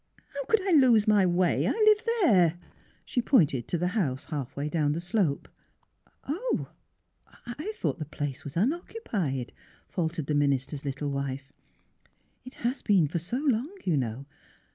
How could I lose my way! I live there." She pointed to the house halfway down the slope. *' Oh, I thought the place was unoccupied," faltered the minister's little wife. *' It has been for so long, you know.